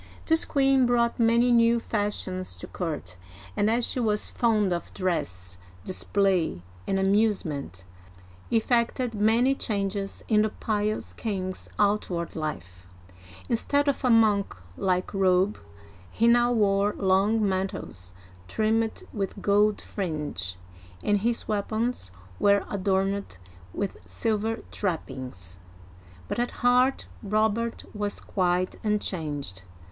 This queen brought many new fashions to court, and as she was fond of dress, display, and amusement, effected many changes in the pious king*s outward life. Instead of a monk like robe, he now wore long mantles trimmed with gold fringe, and his weapons were adorned with silver trappings. But at heart Robert was quite unchanged.